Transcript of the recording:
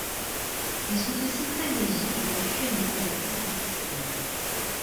Ils sont aussi très agiles et peuvent fuir les prédateurs très facilement.